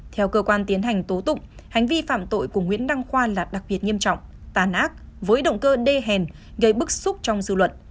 theo cơ quan tiến hành tố tụng hành vi phạm tội của nguyễn đăng khoa là đặc biệt nghiêm trọng tàn ác với động cơ đê hèn gây bức xúc trong dư luận